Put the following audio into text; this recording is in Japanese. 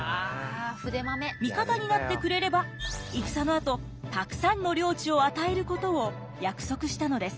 味方になってくれれば戦のあとたくさんの領地を与えることを約束したのです。